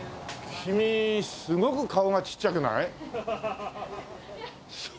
君すごく顔がちっちゃくない？いや。